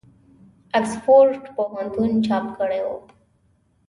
آکسفورډ پوهنتون چاپ کړی وو.